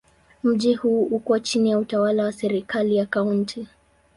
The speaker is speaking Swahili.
Mji huu uko chini ya utawala wa serikali ya Kaunti.